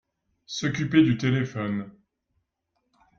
S'occuper du téléphone.